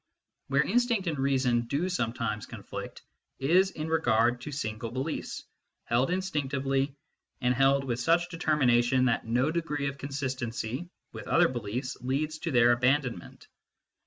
Where instinct and reason do sometimes conflict is in regard to single beliefs, held instinctively, and held with such determination that no degree of inconsistency with other beliefs leads to their abandonment.